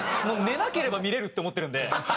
寝なければ見れるって思ってるんで。